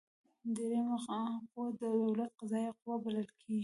دریمه قوه د دولت قضاییه قوه بلل کیږي.